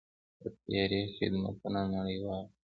د طیارې خدمتونه نړیوال دي.